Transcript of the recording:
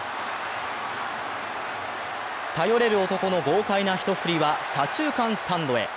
頼れる男の豪快な一振りは左中間スタンドへ。